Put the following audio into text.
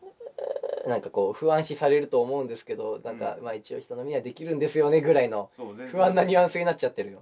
何かこう不安視されると思うんですけど何かまあ一応人並みにはできるんですよねぐらいの不安なニュアンスになっちゃってるよ